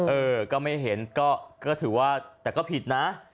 เออก็ไม่เห็นก็ถือว่าแต่ก็ผิดนะ